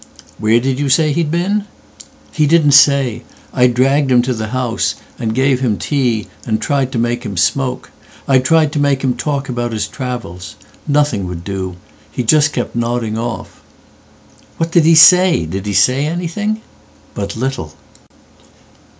"Where did you say he'd been?""He didn't say. I dragged him to the house, And gave him tea and tried to make him smoke.I tried to make him talk about his travels. Nothing would do: he just kept nodding off.""What did he say? Did he say anything?""But little."